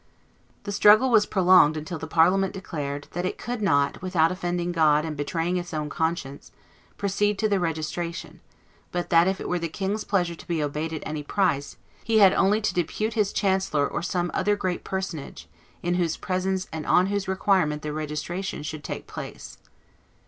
The struggle was prolonged until the Parliament declared "that it could not, without offending God and betraying its own conscience, proceed to the registration; but that if it were the king's pleasure to be obeyed at any price, he had only to depute his chancellor or some other great personage, in whose presence and on whose requirement the registration should take place."